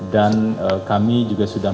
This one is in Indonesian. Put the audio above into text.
dan kami juga sudah